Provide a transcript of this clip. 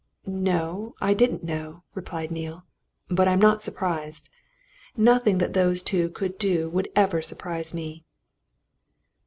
"No, I didn't know," replied Neale. "But I'm not surprised. Nothing that those two could do would ever surprise me."